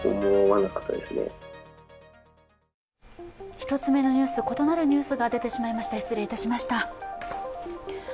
一つ目のニュース異なるニュースが出てしまいました失礼しました。